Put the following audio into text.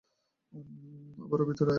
আরে ভিতরে আয়।